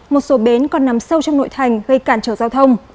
một số bến còn nằm sâu trong nội thành gây cản trở giao thông